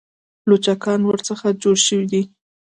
لوچکان ورڅخه جوړ شوي دي.